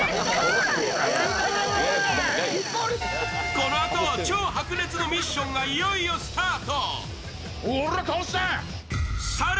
このあと、超白熱のミッションがいよいよスタート！